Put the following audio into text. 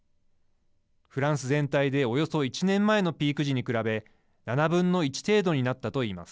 フランス全体でおよそ１年前のピーク時に比べ７分の１程度になったと言います。